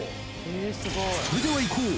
それではいこう。